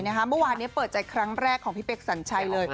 เมื่อวานนี้เปิดใจครั้งแรกของพี่เป๊กสัญชัยเลย